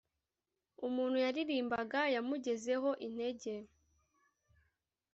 umuntu yaririmbaga yamugezeho intege,